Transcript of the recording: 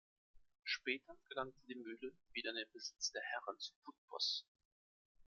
Später gelangte die Mühle wieder in den Besitz der Herren zu Putbus.